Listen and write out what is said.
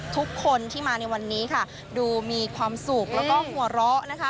ทุกคนที่มาในวันนี้ค่ะดูมีความสุขแล้วก็หัวเราะนะคะ